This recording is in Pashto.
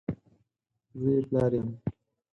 زه یې پلار یم !